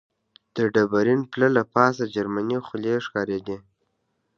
د ډبرین پله له پاسه جرمنۍ خولۍ ښکارېدلې.